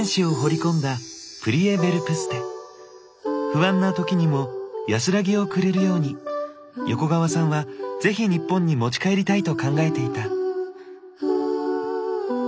不安な時にも安らぎをくれるように横川さんはぜひ日本に持ち帰りたいと考えていた。